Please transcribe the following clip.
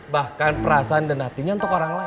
bahkan perasaan dan hatinya untuk orang lain